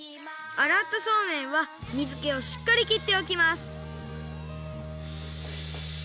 あらったそうめんはみずけをしっかりきっておきます。